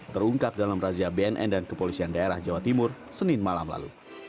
terungkap dalam razia bnn dan kepolisian daerah jawa timur senin malam lalu